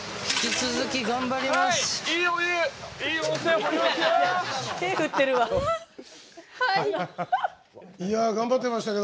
引き続き頑張ります。